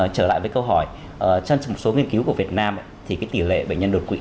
trở lại với câu hỏi trên một số nghiên cứu của việt nam thì tỷ lệ bệnh nhân đột quỵ